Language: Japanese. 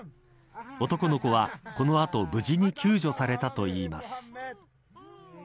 男の子はこの後無事に救助されたといいます。